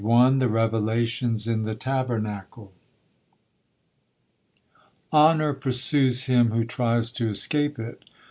THE REVELATIONS IN THE TABERNACLE "Honor pursues him who tries to escape it."